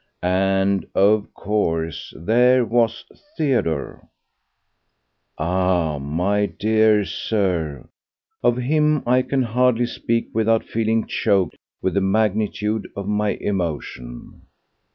And, of course, there was Theodore! Ah! my dear Sir, of him I can hardly speak without feeling choked with the magnitude of my emotion.